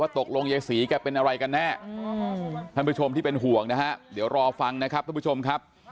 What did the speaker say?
ตกลงยายศรีแกเป็นอะไรกันแน่ท่านผู้ชมที่เป็นห่วงนะฮะเดี๋ยวรอฟังนะครับทุกผู้ชมครับ